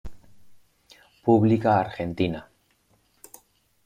Pública Argentina.